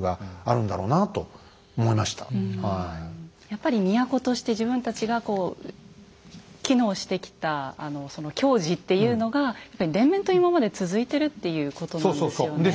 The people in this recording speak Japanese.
やっぱり都として自分たちが機能してきた矜持っていうのが連綿と今まで続いてるっていうことなんですよね。